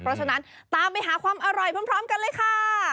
เพราะฉะนั้นตามไปหาความอร่อยพร้อมกันเลยค่ะ